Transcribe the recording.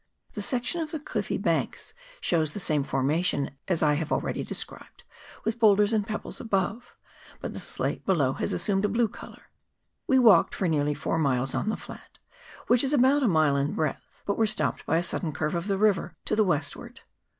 The section of the cliffy banks shows the same form ation as that I have already described, with boulders and pebbles above ; but the slate below has assumed a blue colour. We walked for nearly four miles on the flat, which is about a mile in breadth, but were stopped by a sudden curve of the river to the westward.